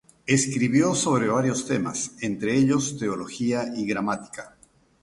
Escribió sobre varios temas entre ellos teología y gramática.